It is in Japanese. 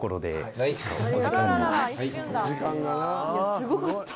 すごかった。